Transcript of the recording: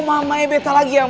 su matahari kan